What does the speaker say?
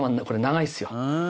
これ長いんですよ。